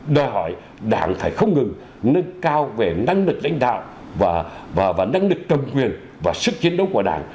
đòi hỏi đảng phải không ngừng nâng cao về năng lực lãnh đạo và năng lực cầm quyền và sức chiến đấu của đảng